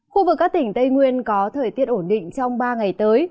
khu vực các tỉnh tây nguyên có thời tiết ổn định trong ba ngày tới